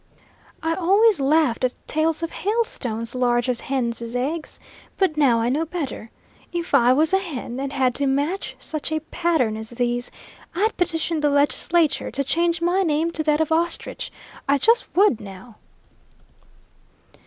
"I always laughed at tales of hailstones large as hen's eggs, but now I know better. If I was a hen, and had to match such a pattern as these, I'd petition the legislature to change my name to that of ostrich, I just would, now!"